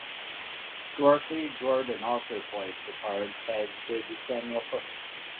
Dorothea Jordan also played the part as did Samuel Foote.